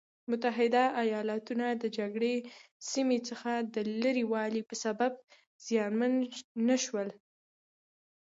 متحده ایلاتو د جګړې سیمې څخه د لرې والي په سبب زیانمن نه شول.